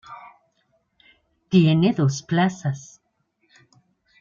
Tiene dos plazas.